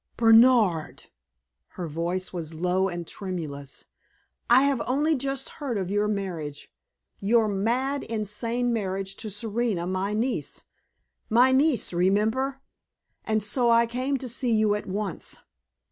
"Bernard!" her voice was low and tremulous "I have only just heard of your marriage your mad, insane marriage to Serena, my niece my niece, remember and so I came to see you at once.